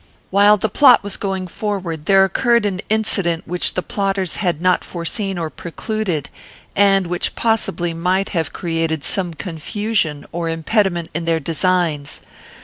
"While the plot was going forward, there occurred an incident which the plotters had not foreseen or precluded, and which possibly might have created some confusion or impediment in their designs.